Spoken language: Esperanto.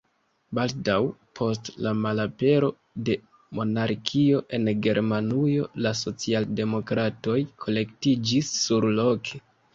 Baldaŭ post la malapero de monarkio en Germanujo la socialdemokratoj kolektiĝis surloke.